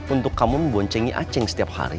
untuk kamu memboncengi aceng setiap hari